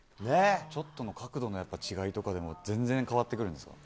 ちょっとの角度の違いとかでも全然変わってくるんですね。